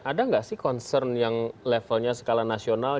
ada nggak sih concern yang levelnya skala nasional